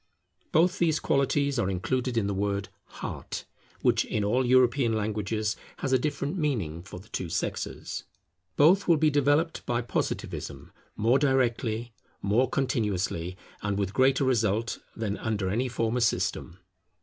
Both these qualities are included in the word Heart, which in all European languages has a different meaning for the two sexes. Both will be developed by Positivism, more directly, more continuously, and with greater result, than under any former system.